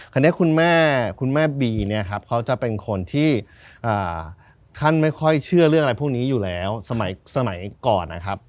คุณแม่คุณแม่บีเนี่ยครับเขาจะเป็นคนที่ท่านไม่ค่อยเชื่อเรื่องอะไรพวกนี้อยู่แล้วสมัยก่อนนะครับ